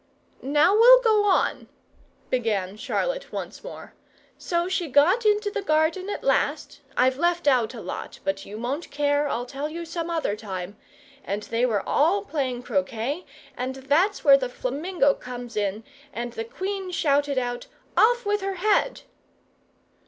"Now we'll go on," began Charlotte once more. "So she got into the garden at last I've left out a lot, but you won't care, I'll tell you some other time and they were all playing croquet, and that's where the flamingo comes in, and the Queen shouted out, 'Off with her head!'"